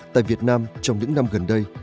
tại việt nam trong những năm gần đây